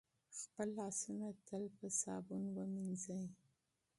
خپل لاسونه تل په صابون وینځئ.